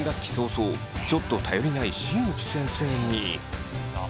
そうちょっと頼りない新内先生に。